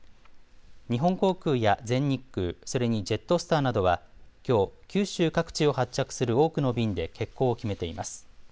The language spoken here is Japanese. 日本航空や全日空、それにジェットスターなどはきょう九州各地を発着する多くの便で欠航を決めています。